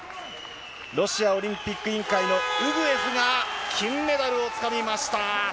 ロシアオリンピック委員会のウグエフが金メダルをつかみました。